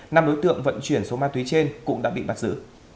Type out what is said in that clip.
năm đối tượng vận chuyển số ma túy trên cũng đã bị bắt giữ